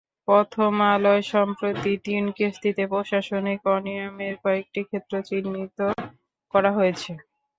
প্রথমআলোয় সম্প্রতি তিন কিস্তিতে প্রশাসনিক অনিয়মের কয়েকটি ক্ষেত্র চিহ্নিত করা হয়েছে।